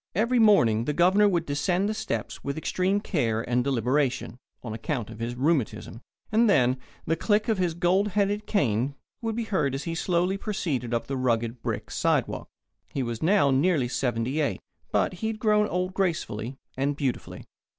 Every morning the Governor would descend the steps with extreme care and deliberation on account of his rheumatism and then the click of his gold headed cane would be heard as he slowly proceeded up the rugged brick sidewalk. He was now nearly seventy eight, but he had grown old gracefully and beautifully.